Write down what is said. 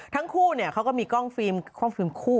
ทั้งคู่เนี่ยเขาก็มีกล้องฟิล์มคู่